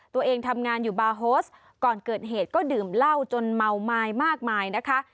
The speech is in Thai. ตัวเองทำงานอยู่บาร์โฮสก่อนเกิดเหตุก็ดื่มเหล้าจนเมาไม้มากมายนะคะ